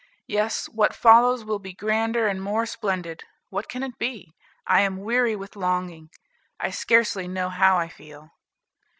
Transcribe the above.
Yes, what follows will be grander and more splendid. What can it be? I am weary with longing. I scarcely know how I feel."